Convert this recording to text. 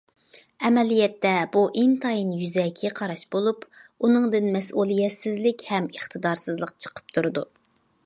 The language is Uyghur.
ئەمەلىيەتتە بۇ ئىنتايىن يۈزەكى قاراش بولۇپ، ئۇنىڭدىن مەسئۇلىيەتسىزلىك ھەم ئىقتىدارسىزلىق چىقىپ تۇرىدۇ.